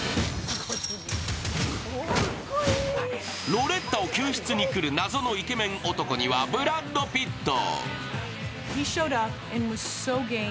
ロレッタを救出に来る謎のイケメン男にはブラッド・ピット。